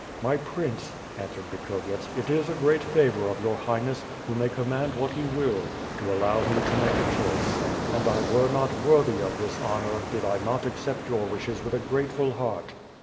"My Prince " answered Bikhovyets, "it is a great favor of your Highness, who may command what he will, to allow me to make a choice; and I were not worthy of this hoiior — did I not accept your wishes with a grateful heart."